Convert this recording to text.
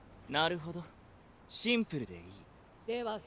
なるほどシンプルでいい。